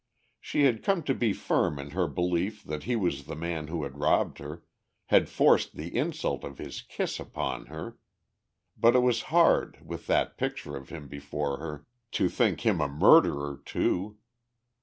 She had come to be firm in her belief that he was the man who had robbed her, had forced the insult of his kiss upon her, but it was hard, with that picture of him before her, to think him a murderer, too.